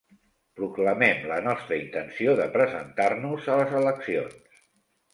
Proclamem la nostra intenció de presentar-nos a les eleccions.